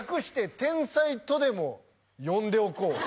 「『天才』とでも呼んでおこう」